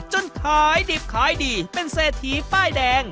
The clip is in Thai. ขายดิบขายดีเป็นเศรษฐีป้ายแดง